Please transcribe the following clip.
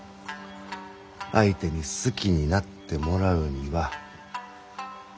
相手に好きになってもらうには。